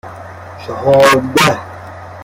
چهارده